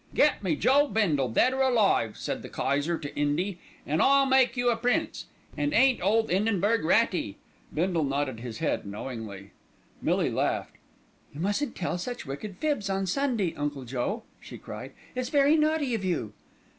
"'Get me Joe Bindle, dead or alive,' said the Kayser to 'Indy, 'an' I'll make you a prince,' an' ain't old 'Indenburg ratty." Bindle nodded his head knowingly. Millie laughed. "You mustn't tell such wicked fibs on Sunday, Uncle Joe," she cried. "It's very naughty of you."